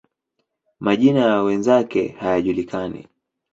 Majina ya wenzake hayajulikani.